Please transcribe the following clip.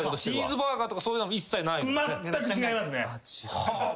チーズバーガーとかそういうのも一切ない？